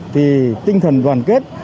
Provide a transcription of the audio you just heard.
thì tinh thần đoàn kết